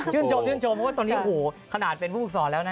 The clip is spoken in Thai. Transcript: ชื่นชมเพราะว่าตอนนี้ขนาดเป็นผู้ฟุกศรแล้วนะ